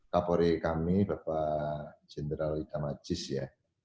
kapolri kami bapak jenderal itamacis ya